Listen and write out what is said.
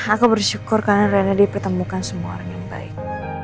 aku bersyukur karena rela dipertemukan semua orang yang baik